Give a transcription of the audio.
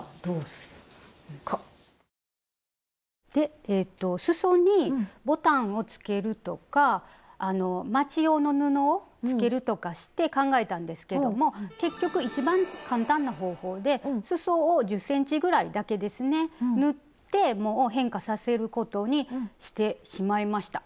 スタジオでえっとすそにボタンをつけるとかあのまち用の布をつけるとかして考えたんですけども結局一番簡単な方法ですそを１０ｃｍぐらいだけですね縫ってもう変化させることにしてしまいました。